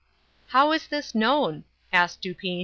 "How is this known?" asked Dupin.